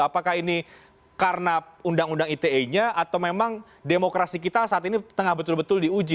apakah ini karena undang undang ite nya atau memang demokrasi kita saat ini tengah betul betul diuji